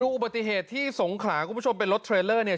อุบัติเหตุที่สงขลาคุณผู้ชมเป็นรถเทรลเลอร์เนี่ย